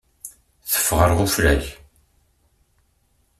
Teffeɣ ɣer ufrag.